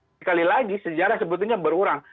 sekali lagi sejarah sebetulnya berurang